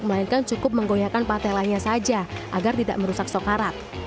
melainkan cukup menggoyakan patelanya saja agar tidak merusak sokarat